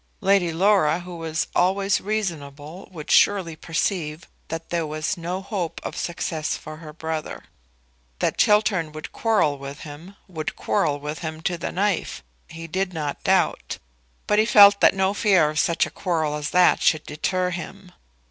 Lady Laura, who was always reasonable, would surely perceive that there was no hope of success for her brother. That Chiltern would quarrel with him, would quarrel with him to the knife, he did not doubt; but he felt that no fear of such a quarrel as that should deter him.